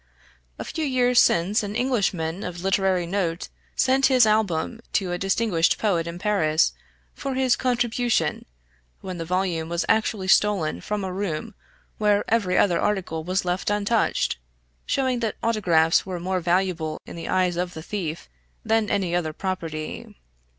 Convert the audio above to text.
A few years since an Englishman of literary note sent his Album to a distinguished poet in Paris for his contribution, when the volume was actually stolen from a room where every other article was left untouched; showing that Autographs were more valuable in the eyes of the thief than any other property.